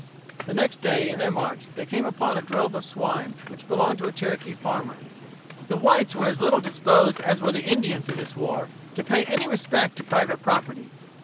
The next day, in their march, they came upon a drove of swine, which belonged to a Cherokee farmer. The whites were as little disposed as were the Indians, in this war, to pay any respect to private property.